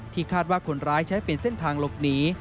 คาดว่าคนร้ายใช้เป็นเส้นทางหลบหนี